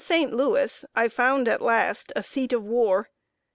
] In St. Louis I found at last a "seat of war."